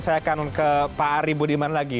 saya akan ke pak ari budiman lagi